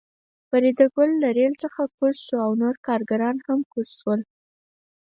فریدګل له ریل څخه کوز شو او نور کارګران هم کوز شول